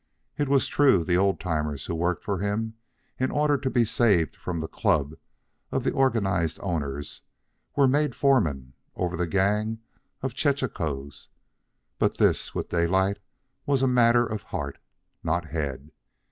It was true, the old timers who worked for him, in order to be saved from the club of the organized owners, were made foremen over the gang of chechaquos; but this, with Daylight, was a matter of heart, not head.